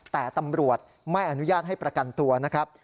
แต่ตำรวจไม่อนุญาตให้ประกันตัวนะครับ